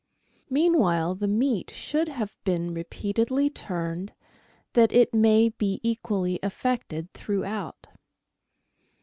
Mean while the meat should have been repeatedly turned, that it may be equally affected throughout.